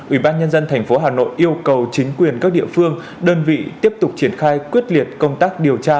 ủy ban nhân dân tp hà nội yêu cầu chính quyền các địa phương đơn vị tiếp tục triển khai quyết liệt công tác điều tra